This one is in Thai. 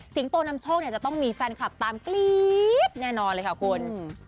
โตนำโชคเนี่ยจะต้องมีแฟนคลับตามกรี๊ดแน่นอนเลยค่ะคุณ